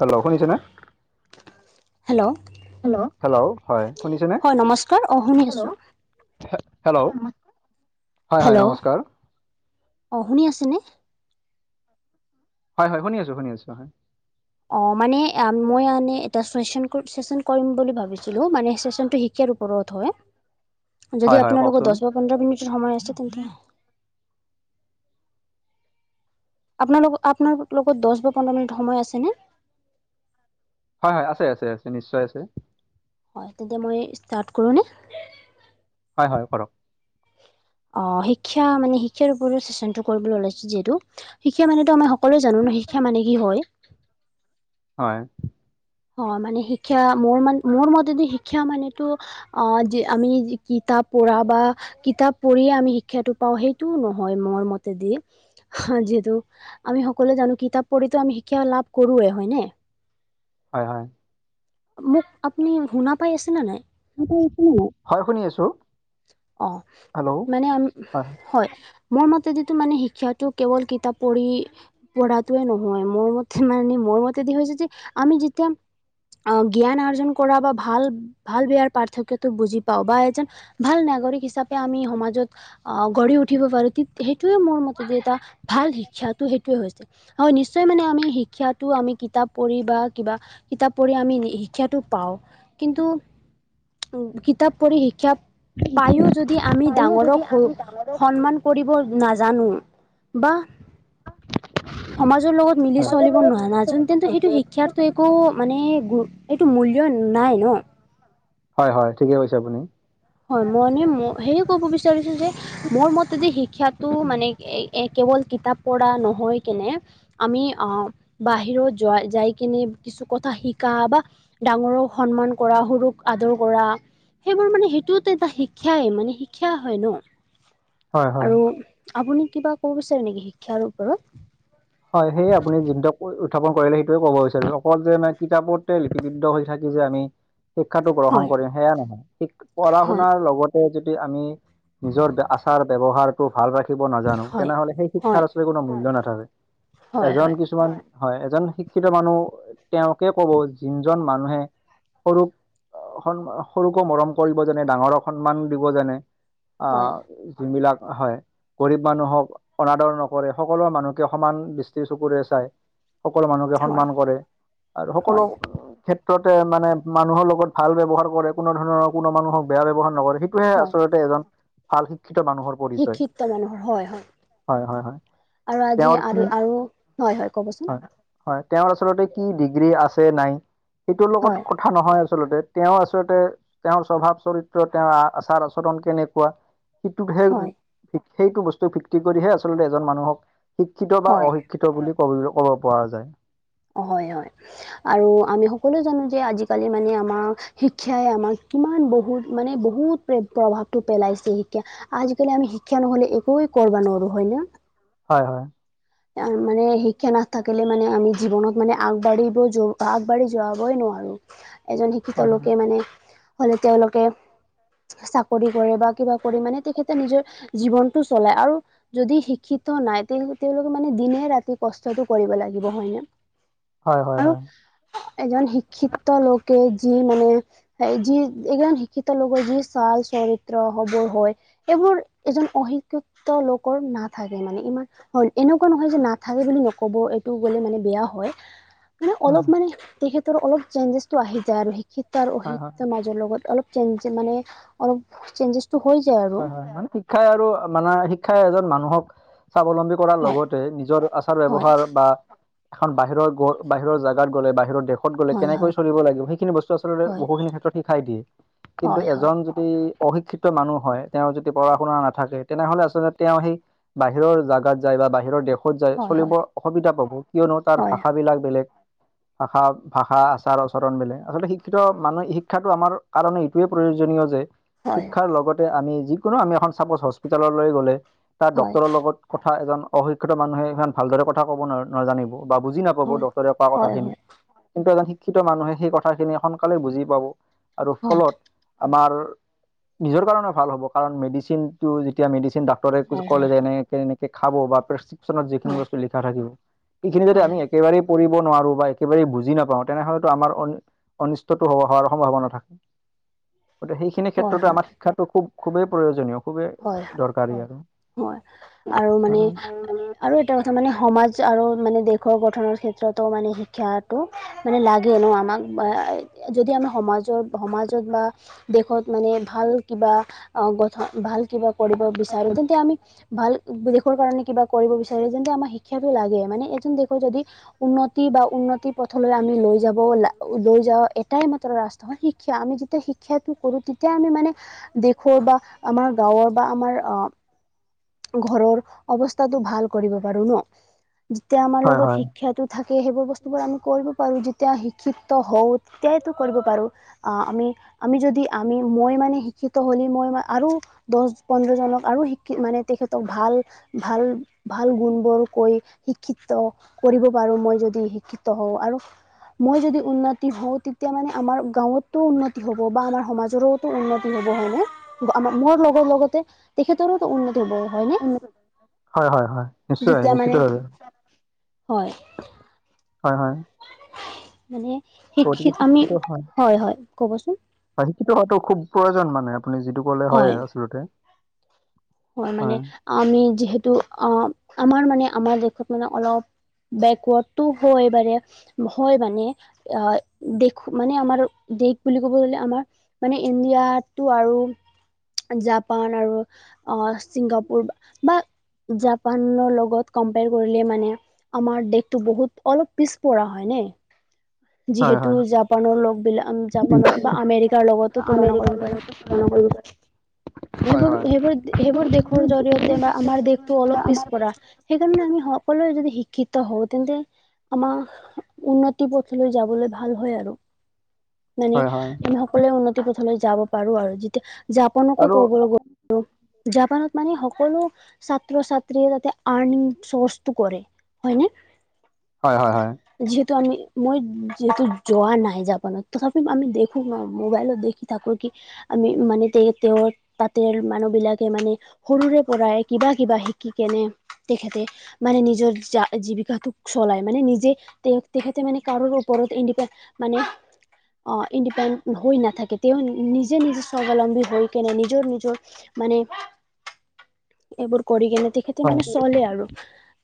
Hello শুনিছেনে hello hello hello হয় শুনিছেনে হয় নমস্কাৰ অ শুনি হেল্ল আছোঁ হে হেল্ল হয় হয় হেল্ল' নমস্কাৰ। অ শুনি আছেনে হয় হয় শুনি আছো শুনি আছো হয় অ মানে মই আনে এটা চেচন চেচন কৰিম বুলি ভাবিছিলো মানে চেচনটো শি ক্ষাৰ ওপৰত হয় যদি হয় হয় আপোনালোকৰ কওকচোন। দহ বা পোন্ধৰ মিনিটৰ সময় আছে তেন্তে আপোনাৰ লগ আপোনাৰ লগত দহ বা পোন্ধৰ মিনিট সময় আছে নে হয় হয় আছে আছে আছে নিশ্চয় আছে হয় তেতিয়া মই ষ্টাৰ্ট কৰোনে হয় হয় কৰক অ শিক্ষা মানে শিক্ষাৰ ওপৰত চেচনটো কৰিবলৈ ওলাইছো যিহেতু শিক্ষা মানেতো আমাৰ সকলোৱে জানো ন শিক্ষা মানে কি হয় হয় অ মানে শিক্ষা মোৰ মান মোৰ মতেদি শিক্ষা মানতো অ যে আমি কিতাপ পঢ়া বা কিতাপ পঢ়িয়ে আমি শিক্ষাতো পাও সেইটোও নহয় মোৰ মতেদি যিহেতু আমি সকলোৱে জানো কিতাপ পঢ়িতো আমি শিক্ষা লাভ কৰোৱে হয় নে হয় হয় মোক আপুনি শুনা পাই আছে না নাই হয় শুনি আছো অ মানে আম হয় মোৰ মতেদিটো মানে শিক্ষাটো কেৱল কিতাপ পঢ়ি পঢ়াটোৱে নহয় মোৰ মতে মানে মোৰ মতেদি হৈছে যে আমি যেতিয়া অ জ্ঞান আৰ্জন কৰা বা ভাল ভাল বেয়াৰ পাৰ্থক্যতো বুজি পাও বা এজন ভাল নাগৰিক হিচাপে আমি সমাজত আহ গঢ়ি উঠিব পাৰো সেইটোৱে মোৰ মতে যে এটা ভাল শিক্ষাতো সেইটোৱে হৈছে হয় নিশ্চয় মানে আমি শিক্ষাতো আমি কিতাপ পঢ়ি বা কিবা কিতাপ পঢ়ি আমি শিক্ষাতো পাও কিন্তু উ কিতাপ পঢ়ি শিক্ষা পায়ো যদি আমি ডাঙৰক সন্মান কৰিব নাজানো বা সমাজৰ লগত মিলি হয়। চলিব নোৱাৰা নানাজো তেন্তে সেইটো শিক্ষাত তো একো মানে গ এইটো মূল্য নাই ন হয় হয় ঠিকে কৈছে আপুনি হয় মই মানে সেয় ক'ব বিচাৰিছো যে মোৰ মতেদি শিক্ষাটো মানে এক কেৱল কিতাপ পঢ়া নহৈ কেনে আমি অহ বাহিৰত যোৱা যাই কিনে কিছু কথা শিকা বা ডাঙৰক সন্মান কৰা সৰুক আদৰ কৰা সেইবোৰ মানে সেই টোত এটা শিক্ষাই মানে শিক্ষা হয় ন হয় হয়। আৰু আপুনি কিবা ক'ব বিচাৰে নেকি শিক্ষাৰ ওপৰত হয় সেয়ে আপুনি যোনটো উই উত্থাপন কৰিলে সেইটোৱে ক'ব বিচাৰো অকল যে মানে কিতাপতে লিপিবদ্ধ হৈ থাকি যে আমি শিক্ষাটো গ্ৰহণ হয় কৰিম সেয়া নহয়, শিক পঢ়া - হয় শুনাৰ লগত তে যদি আমি নিজৰ আচাৰ ব্যৱহাৰটো ভাল ৰাখিব নাজানো হয় তেনেহলে সেই হয় শিক্ষাৰ তে কোনো মূল্য নাথাকে, হয় হয় এজন কিছুমান হয় এজন শিক্ষিত মানুহ তেওঁকে কব যোনজন মানুহে সৰু সন সৰুকো মৰম কৰিব জানে, ডাঙৰক সন্মান দিব জানে হয় আহ যোনবিলাক হয়, গৰীব মানুহক অনাদৰ নকৰে, সকলো মানুহকে সমান দৃষ্টি চকুৰে চাই, সকলো মানুহকে হয় সন্মান কৰে আৰু সকলো হয় ক্ষেত ত্ৰতে মানে মানুহৰ লগত ভাল ব্যৱহাৰ কৰে, কোনো ধৰণৰ কোনো মানুহক বেয়া ব্যৱহাৰ নকৰে, সে টোহে হয় আচলতে এজন ভাল শিক্ষিত মানুহৰ পৰিচয় শিক্ষিত মানুহৰ, হয় হয়। হয় হয় হয়। আৰু আজি তেওঁৰ কি আৰু আৰু হয় হয় কবচোন? হয়, তেওঁৰ আচলতে কি ডিগ্ৰী আছে নাই সেইটোৰ হয় লগত ক থা নহয় আচলতে তেওঁ আচলতে তেওঁৰ স্বভাৱ চৰিত্ৰ তেওঁৰ আচাৰ - আচৰণ কেনেকুৱা সিটোতহে হয় সি সেইটো বস্তুক ভিত্তি কৰিহে আচলতে এজন মানুহক শিক্ষিত বা হয় অশি ক্ষিত বুলি কব ক'ব পৰা যায়। অ হয় হয় আৰু আমি সকলো জানো যে আজিকালি মানে আমাৰ শিক্ষাই আমাক কিমান বহুত মানে বহুত প্ৰ প্ৰভাৱটো পেলাইছে শিক্ষা আজিকালি আমি শিক্ষা নহ'লে একোৱে কৰবা নোৱাৰো হয় না? হয় হয়। আহ মানে শিক্ষা নাথাকিলে মানে আমি জীৱনত মানে আগবাঢ়িব য আগবাঢ়ি যোৱাবই নোৱাৰো। এজন শিক্ষিত হয় লোকে হয় মানে হলে তেওঁলোকে চাকৰি কৰে বা কিবা কৰি মানে তেখেতে নিজৰ জীৱনটো চলাই আৰু যদি শিক্ষিত নাই তেন্তে তেওঁলোক কে মানে দিনে - ৰাতি কষ্টটো কৰিব লাগিব হয় ন? হয় হয় হয় আৰু এজন শিক্ষিত লোকে যি মানে তাই যি এ এজন শিক্ষিত লগৰ যি চাল চৰিত্ৰ হবৰ হয় এইবোৰ এজন অশিক্ষিত লোকৰ নাথাকে মানে ইমান হয় এনেকুৱা নহয় যে নাথাকে বুলি নক'ব এইটো গ'লে মানে বেয়া হয় মানে হয় অলপ মানে তেখেত তৰ অলপ চেঞ্জেছটো আহি যায় আৰু শিক্ষিত আৰু হয় হয় অশিক্ষিত মাজৰ লগত অলপ চেঞ্জ মানে অলপ চেঞ্জেছ টো হৈ যায় আৰু হয় হয় মানে শিক্ষাই আৰু মানে শিক্ষাই এজন মানুহক স্বাৱলম্বী কৰাৰ হয় লগতে নিজৰ আচাৰ হয় ব্যৱহাৰ বা এখন বাহিৰৰ গ বাহিৰৰ জাগাত গ'লে বাহিৰৰ দেশ শত গ'লে হয় কেনেকৈ চলিব লাগিব সেইখিনি বস্তু আচলতে হয় বহুখিনি ক্ষেত্ৰত শিকাই দিয়ে। কিন্তু হয় হয় এজন যদি অশিক্ষিত মানুহ হয় তেওঁ যদি পঢ়া - শুনা নাথাকে তেনেহলে আচলতে তেওঁ সেই বাহিৰৰ জাগাত যায় বা বাহিৰৰ দেশ শত যায়, হয় চলিব হয় অসুবিধা পাব কিয়নো তাৰ হয় ভাষাবিলাক বেলেগ ভাষা - ভাষা আচাৰ আচৰণ বেলেগ, আচলতে শিক্ষিত মানুহে শিক্ষাটো আমাৰ কাৰণেই খুবেই প্ৰয়োজনীয় যে হয় শিক্ষাৰ লগতে আমি যিকোনো আমি এখন চাপজ হস্পিতাললৈ গ'লে তাৰ হয় ডক্তৰৰ লগত কথা এজন অশিক্ষিত মানুহে হিমান ভালদৰে কথা ক'ব ন নাজানিব। বা বুজি নাপাব হয় ডক্তৰে কোৱা হয় হয় হয় হয় হয় কথাখিনি। কিন্তু এজন শিক্ষিত মানুহে সেই কথাখিনি সোনকালে বুজি পাব আৰু ফলত। আমাৰ নিজৰ কাৰেনে ভাল হ'ব কাৰ মেডিচিনটো মেডিচিন ডা। ক্তৰে হয় হয় কলে যে এনেকে খাব বা প্ৰেক্ৰিপ্যনত যিখিনি হয় বস্তু লিখা থাকিব। এইখিনি যদি হয় আমি একেবাৰে কৰিব নোৱাৰোঁ বা একেবাৰে বুজি নাপাওঁ তেনেহলেতো আমাৰ [inaudible] অনিষ্টতটো হ হোৱাৰ সম্ভাৱনা থাকে গতিকে সেই। খিনি হয় ক্ষেত্ৰতে হয় আমাৰ শিক্ষাটো খুব খুবেই প্ৰয়োজনীয়। খুবেই হয় দৰকাৰী আৰু হয় আৰু মানে। আৰু এটা কথা মানে সমাজ আৰু মানে দেশৰ গঠনৰ ক্ষেত্ৰতো মানে শিক্ষাটো। মানে লাগে ন আমাক যদি আমি সমাজৰ সমাজত বা। দেশত মানে ভাল কিবা অ গঠন ভাল কিবা কৰিব বিচাৰো তেন্তে আমি। ভাল দেশৰ কাৰণে কিবা কৰিব বিচাৰে যেন্ত আমাৰ শিক্ষাটো লাগে মানে এজন দেশৰ যদি। উন্নতি বা উন্নতি পথলৈ আমি লৈ যা। [inaudible] লৈ যাওঁ এটাই মাত্ৰ ৰাস্ত হয় শিক্ষা আমি যেতিয়া শি। ক্ষাটো কৰো তেতিয়া আমি মানে দেশৰ বা আমাৰ। [inaudible] বা আমাৰ অ ঘৰৰ অৱস্থাটো ভাল কৰিব পাৰো ন। যেতিয়া আমাৰ হয় লগত হয় শিক্ষাটো। থাকে সেইবোৰ বস্তুবোৰ আমি কৰিব পাৰোঁ যেতিয়া শিক্ষিত হওঁ তেতিয়াইতো কৰিব পাৰোঁ। আ আমি আমি যদি আমি মই মা শিক্ষিত হলে মই আৰু। দহ পোন্ধৰজনক আৰু শিকি মানে তেখেতক ভাল। ভাল ভাল গুণবোৰকৈ শিক্ষিত। কৰিব পাৰো মই যদি শিক্ষিত হওঁ আৰু। মই যদি উন্নতি হওঁ তেতিয়া মানে আমাৰ গাঁৱতো উন্নতি হ'ব বা আমাৰ সমাজৰো। উন্নতি হ'ব হয় নে আমাৰ মোৰ লগৰ লগতে। তেখেতৰো ত উন্নতি হব হয়নে হয় হয় হয় নিশ্চয় যেতিয়া মানে। নিশ্চিতভাৱে হয়। হয় হয়। মানে শিক্ষিত আমি হয় হয় ক'বচোন। শিক্ষিত হোৱাটো খুব প্ৰয়োজন মানে আপুনি যিটো কলে হয় আচলতে। হয় মানে আমি যিহেতু আহ আমাৰ মানে আমাৰ দেশত মানে অলপ। বেকৱাৰ্ডতটো হয়বাৰে। হয় মানে আ দেশ মানে আমাৰ দেশ বুলি ক'ব গ'লে আমাৰ। মানে ইণ্ডিয়াটো আৰু জাপান আৰু। অ ছিংগাপুৰ বা জাপানৰ লগত কম্পেয়াৰ কৰিলে মানে। আমাৰ দেশটো বহুত অলপ পিছপৰা হয় নে। হয় যিহেতু হয় জাপানৰ লগ বিলাক জাপানৰ বা আমেৰিকাৰ লগতো তুলনা কৰিব পাৰো। [unintelligible] হয় সেইবোৰ হয় সেইবোৰ সেইবোৰ দেশৰ জৰিয়তে বা আমাৰ দেশতো অলপ পিছপৰা। সেইকাৰণে আমি সকলোৱে যদি শিক্ষিত হওঁ তেন্তে আমাৰ উন্নতি প। থুলৈ যাবলৈ ভাল হয় আৰু মানে হয় হয় আমি। কলোৱে উন্নতি পথলৈ যাব পাৰো আৰু যেতিয়া যাপনকে আৰু কবলৈ। [inaudible] জাপানত মানে সকলো। ছাত্ৰ ছাত্ৰীয়ে তাতে আৰ্নিং চৰ্চটো কৰে হয়নে। হয় হয় হয়। যিহেতু আমি মই যিহেতু যোৱা নাই, জাপানত তথাপি আমি দেখো মোবাইলত দেখি থাকো কি আমি মানে তে তেওঁৰ তাতে মানুহ বিলাকে মানে সৰুৰে পৰাই কিবা কিবা শিকি কেনে তেখেতে মানে নিজৰ জীৱিকাটোক চলাই মানে নিজে তেখেতে মানে কাৰো ওপৰত এনেকা মানে অঁ, ইণ্ডিপেণ্ড হৈ নাথাকে তেওঁ নিজে নিজে স্বাৱলম্বী হৈ কেনে নিজৰ নিজৰ মানে, এইবোৰ কৰি কেনে তেখে তে হয় মানে চলে আৰু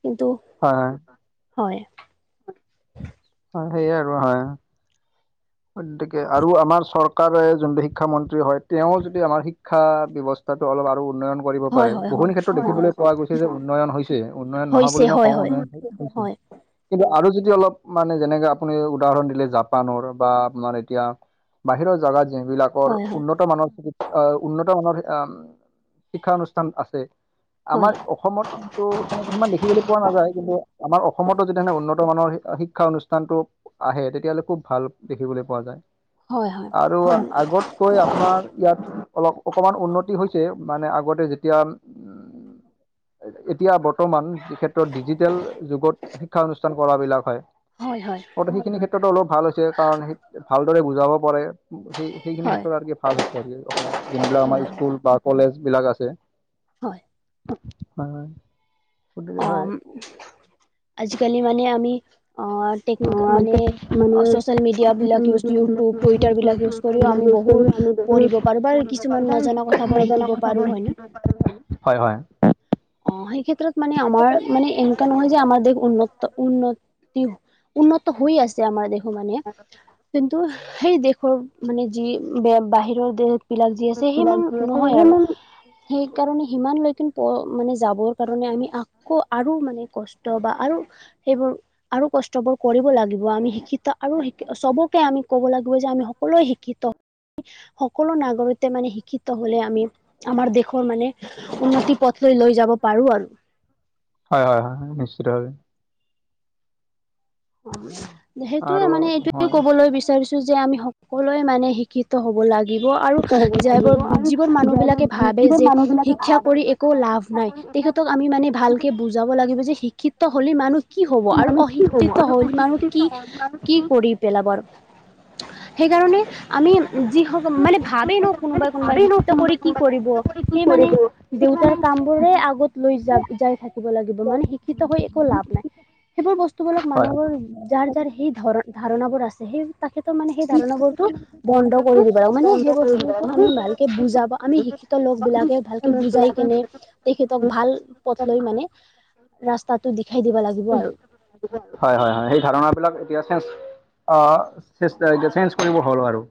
কিন্তু হয় হয়। হয় সেই আৰু হয়। গতিকে আৰু আমাৰ চৰকাৰে যোনটো শিক্ষামন্ত্ৰী হয়, তেওঁ যদি আমাৰ শিক্ষা ব্যৱ স্থাটো অলপ আৰু উন্নয়ন কৰিব হয় পাৰে, হয় বহু হয় ক্ষেত্ৰত হয় দেখিবলৈ পোৱা গৈছে যে উন্নয়ন হৈছে উন্নয়ন নহা হৈছে বুলি হয় নকওঁ হয় উন্নয়ন হয় কিন্তু আৰু যদি অলপ মানে যেনেকে আপুনি উদাহৰণ দিলে জাপানৰ বা আপোনাৰ এতিয়া বাহিৰৰ জেগাত যিবিলাকৰ হয় উন্নত মানৰ আঁহ উন্নত মানৰ অঁ শিক্ষানুষ্ঠান আছে, হয় আমাৰ অসমত ত' সেনেকে ইমান দেখিবলৈ পোৱা নাযায়, কিন্তু আমাৰ অসমতো যেতিয়া সেনে উন্নত মানৰ শিক্ষা অনুষ্ঠানটো আহে তেতিয়াহ'লে খুব ভাল দেখিবলৈ পোৱা যায়। হয় হয় আৰু আগতকৈ আপোনাৰ ইয়াত অলপ অকণমান উন্নতি হৈছে, মানে আগতে যেতিয়া এতিয়া বৰ্তমান যি ক্ষেত্ৰত ডিজিটেল যুগত শিক্ষানুষ্ঠান কৰা বিলাক হয়। হয় হয়। সেইখিনি ক্ষেত্ৰতো অলপ ভাল হৈছে, কাৰণ সেই ভালদৰে বুজাব পাৰে। সেই হয় সেইখিনি হয় ক্ষেত্ৰত আৰু কি ভাল হৈছে আৰু অসমত যোনবিলাক হয় হয় আমাৰ স্কুল বা কলেজ বিলাক আছে। হয় হয় গতিকে হয় অঁ আজিকালি মানে আমি অঁ টেকনিক মানে ছ'চিয়েল মিডিয়া বিলাক ইউটিউব টুটইাৰ বিলাক ইউজ কৰিও আমি বহুত পঢ়িব পাৰো বা কিছুমান নজনা কথাবোৰ শিকিব পাৰো হয় নে। হয় হয়। অঁ সেই ক্ষেত্ৰত মানে আমাৰ মানে এনেকোৱা নহয় যে আমাৰ দেশ উন্নত উন্নতি উন্নত হৈ আছে আমাৰ দেশ। মানে কিন্তু হয়। সেই দেশৰ মানে যি বাহিৰৰ দেশ বিলাক যি আছে সিমান নহয় আৰু সেইকাৰণে সিমান লৈ কি প মানে যাবৰ কাৰণে আমি আকৌ আৰু মানে কষ্ট বা আৰু সেইবোৰ আৰু কষ্ট বোৰ কৰিব লাগিব আমি শিক্ষিত আৰু চবকে আমি ক'ব লাগি ব যে আমি সকলোৱে শিক্ষিত। সকলো নাগৰিকে মানে শিক্ষিত হলে আমি আমাৰ দেশৰ মানে উন্নত হয় হয় হয় নিশ্চিত ভাৱে। সেইটোয়ে আৰু মানে এইটোয়ে হয় কবলৈ বিচাৰিছো যে আমি সকলোৱে মানে শি ক্ষিত হব লাগিব আৰু যে যিবোৰ মানুহ বিলাকে ভাবে যে শিক্ষা কৰি এ কো লাভ নাই, তেখেতক আমি মানে ভালকে বুজাব লাগিব যে শিক্ষিত হ'লে মানুহ কি হ'ব আৰু অশিক্ষিত হ' কৰিম আৰু কি কি কৰি পেলাব আৰু, সেইকাৰণে আমি যি স মানে ভাবে ন কোনোবাই কোনোবাই শিক্ষিত কৰি কি কৰিব সেই মানে দেউতাৰ কাম বোৰে আগত লৈ য যাই থাকিব লাগিব মানে শিক্ষিত হৈ একো লাভ নাই সেইবোৰ বস্তুবোৰক হয়। মানুহৰ যাৰ যাৰ সেই ধৰ ধাৰণাবোৰ আছে সেই তেখেতৰ মানে সেই ধাৰণাবোৰতো বন্ধ কৰি দিব লাগিব মানে সেই বস্তুটো আমি ভালকে বুজাবা আমি শিক্ষিত লোক বিলাকে ভালকে বুজাই কেনে তেখেতক ভাল পথ লৈ মানে ৰাস্তাটো দিখাই দিব লাগিব আৰু হয় হয় হয় সেই ধাৰণা বিলাক এতিয়া চেঞ্চ অ চে চেঞ্চ কৰিব হ'ল আৰু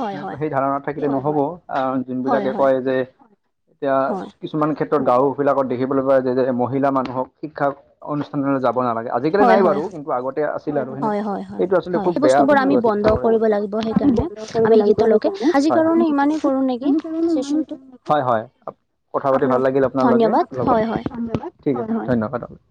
হয় সেনেকুৱা হয় সেই ধাৰণাত থাকিলে নহব আহ হয় হয় যোনবিলাকে হয় কয় যে এতিয়া হয় কিছুমান ক্ষেত্ৰত গাঁওবিলাকত দেখিবলৈ পোৱা যায় যে মহিলা মানুহক শিক্ষা অনুষ্ঠানলৈ যাব নালাগে আজিকালি হয় নাই হয় বাৰু কিন্তু আগতে আছিল আৰু হয় হয় হয় সেইটো আচলতে হয় সেই খুব বেয়া বস্তুবোৰ বস্তু আমি আছিল বন্ধ চাব কৰিব গলে লাগিব আমি সেইকাৰণে বন্ধ কৰিব আমি লাগিব শিক্ষিত লোকে সেইকাৰণে আজি হয় কাৰণে ইমানেই কৰোঁ নেকি চেচনটো [unintelligible] হয় হয় কথা পাতি ভাল আপোনালোক লাগিল আপোনালোকে ধন্যবাদ লগত হয় হয় ধন্যবাদ হয় হয় ঠিক আছে ধন্যবাদ